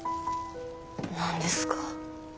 何ですか？